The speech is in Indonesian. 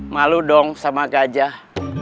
malu dong sama gajah